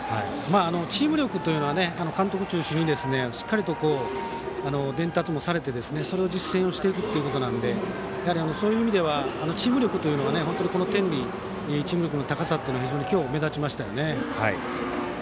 チーム力というのは監督を中心にしっかりと伝達もされてそれを実践していくことなのでそういう意味ではチーム力は天理は、その高さが今日非常に目立ちましたよね。